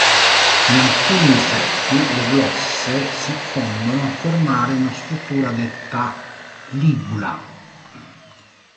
In alcuni insetti le glosse si fondono a formare una struttura detta "ligula".